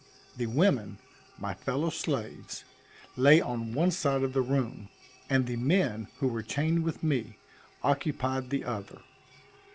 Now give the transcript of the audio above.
The women, my fellow slaves, lay on one side of the room; and the men who were chained with me, occupied the other.